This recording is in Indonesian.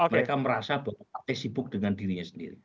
mereka merasa bahwa partai sibuk dengan dirinya sendiri